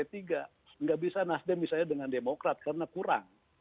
tidak bisa nasdem misalnya dengan demokrat karena kurang